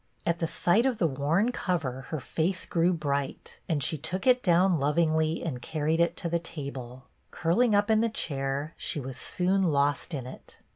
At the sight of the worn cover her face grew bright, and she took it down lovingly and carried it to the table; curling up in the chair she was soon lost in it.